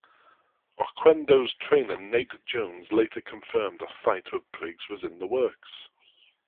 Oquendo's trainer Nate Jones later confirmed a fight with Briggs was in the works.